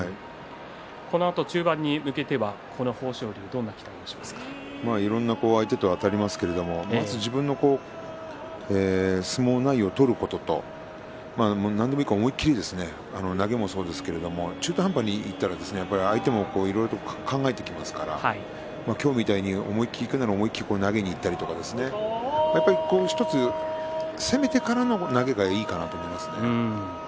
このあと中盤に向けてはいろんな相手とあたりますけれどもまず自分の相撲内容を取ることと何でもいいから思い切り投げもそうですけれども中途半端にいったら相手もいろいろと考えてきますから今日みたいに思い切りいくなら思い切り投げにいったり１つ攻めてからの投げがいいかなと思いますね。